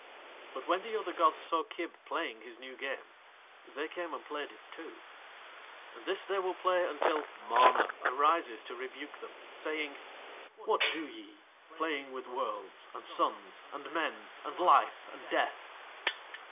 But when the other gods saw Kib playing his new game They came and played it too. And this They will play until MANA arises to rebuke Them, saying: "What do ye playing with Worlds and Suns and Men and Life and Death?"